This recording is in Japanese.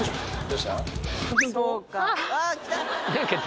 どうした？